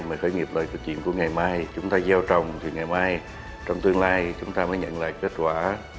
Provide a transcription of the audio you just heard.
mà khởi nghiệp là cái chuyện của ngày mai chúng ta gieo trồng thì ngày mai trong tương lai chúng ta mới nhận lại kết quả